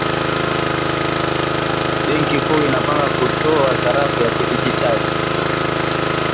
Benki kuu inapanga kutoa sarafu ya kidigitali